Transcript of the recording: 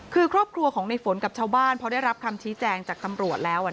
คือครอบครัวของในฝนกับชาวบ้านพอได้รับคำชี้แจงจากตำรวจแล้ว